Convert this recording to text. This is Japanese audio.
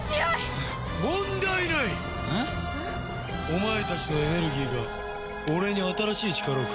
お前たちのエネルギーが俺に新しい力をくれたからな。